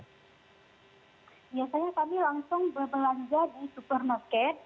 biasanya kami langsung berbelanja di supermarket